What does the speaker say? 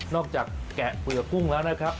อกจากแกะเปลือกกุ้งแล้วนะครับ